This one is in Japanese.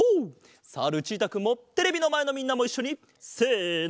さあルチータくんもテレビのまえのみんなもいっしょにせの！